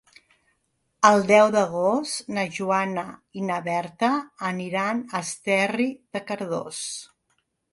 El deu d'agost na Joana i na Berta aniran a Esterri de Cardós.